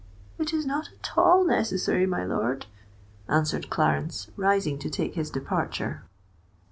"It is not at all necessary, my lord," answered Clarence, rising to take his departure.